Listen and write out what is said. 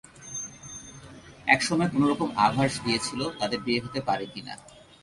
এক সময়ে কোনো রকম করে আভাস দিয়েছিল, তাদের বিয়ে হতে পারে কি না।